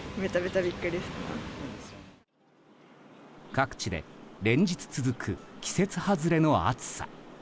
各地で連日続く季節外れの暑さ。